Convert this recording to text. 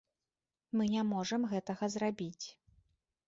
Мы не можам гэтага зрабіць.